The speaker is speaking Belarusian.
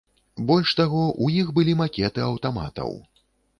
Больш таго, у іх былі макеты аўтаматаў.